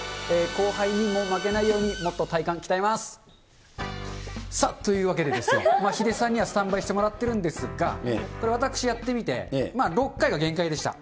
後輩にも負けないようにもっと体幹、鍛えます。というわけでですね、ヒデさんにはスタンバイしてもらってるんですが、これ、私やってみて、６回が限界でした。